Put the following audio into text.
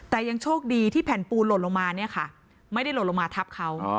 แต่ยังโชคดีที่แผ่นปูนหล่นลงมาเนี่ยค่ะไม่ได้หล่นลงมาทับเขา